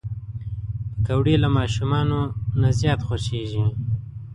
پکورې له ماشومانو نه زیات خوښېږي